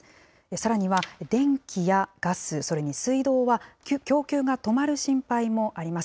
さらには、電気やガス、それに水道は供給が止まる心配もあります。